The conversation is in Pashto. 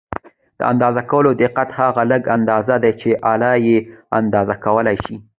د اندازه کولو دقت هغه لږه اندازه ده چې آله یې اندازه کولای شي.